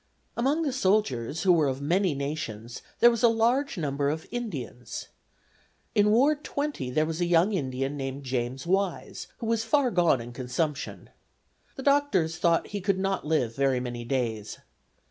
"Among the soldiers, who were of many nations, there was a large number of Indians. In Ward 20 there was a young Indian names James Wise, who was far gone in consumption. The doctors thought he could not live very many days.